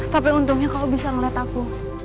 tapi untungnya kau bisa ngeliat aku